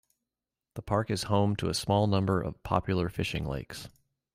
The park is home to a small number of popular fishing lakes.